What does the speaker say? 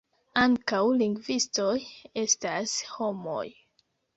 Ankaŭ lingvistoj estas homoj.